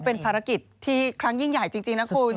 เป็นภารกิจที่ครั้งยิ่งใหญ่จริงนะคุณ